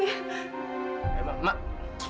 ngapain kamu pake telepon telepon raka